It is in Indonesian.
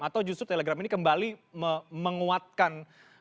atau justru telegram ini kembali menguatkan